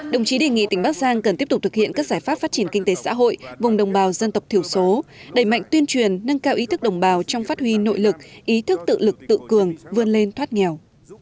đồng chí đề nghị tỉnh bắc giang cần tiếp tục thực hiện các giải pháp phát triển kinh tế xã hội vùng đồng bào dân tộc thiểu số đẩy mạnh tuyên truyền nâng cao ý thức đồng bào trong phát huy nội lực ý thức tự lực tự cường vươn lên thoát nghèo